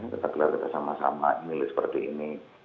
kita gelar kita sama sama ini seperti ini